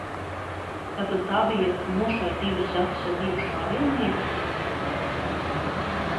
"Tātad tā bija "nošauj divus zaķus ar vienu šāvienu" lieta?"